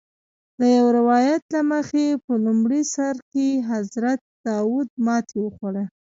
د یو روایت له مخې په لومړي سر کې حضرت داود ماتې وخوړه.